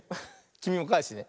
きみもかえしてね。